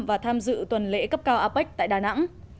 và tham dự tuần lễ cấp cao apec tại đà nẵng